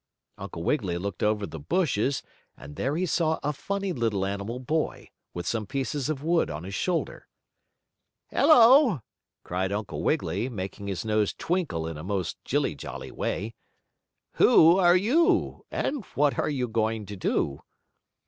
Uncle Wiggily looked over the bushes, and there he saw a funny little animal boy, with some pieces of wood on his shoulder. "Hello!" cried Uncle Wiggily, making his nose twinkle in a most jilly jolly way. "Who are you, and what are you going to do?"